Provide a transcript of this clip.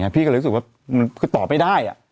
พี่ก็เลยรู้สึกว่ามันคือตอบไม่ได้